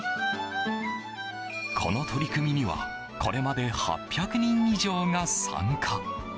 この取り組みにはこれまで８００人以上が参加。